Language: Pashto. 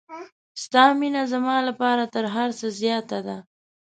ستا مینه زما لپاره تر هر څه زیاته ده.